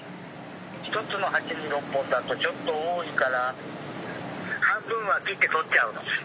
ひとつのはちに６本だとちょっとおおいからはんぶんは切ってとっちゃうの。